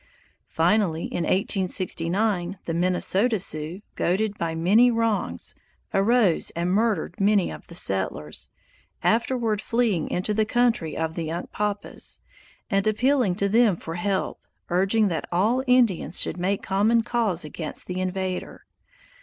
Finally, in 1869, the Minnesota Sioux, goaded by many wrongs, arose and murdered many of the settlers, afterward fleeing into the country of the Unkpapas and appealing to them for help, urging that all Indians should make common cause against the invader.